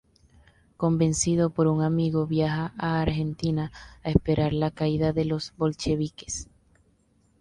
Convencido por un amigo viaja a Argentina a esperar la caída de los bolcheviques.